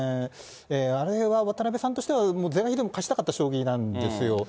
あれは渡辺さんとしたら、是が非でも勝ちたかった将棋なんですよ。